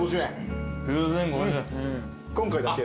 今回だけ。